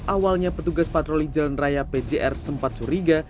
awalnya petugas patroli jalan raya pjr sempat curiga